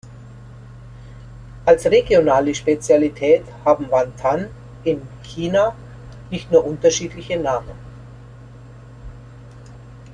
Als regionale Spezialität haben Wan Tan in China nicht nur unterschiedliche Namen.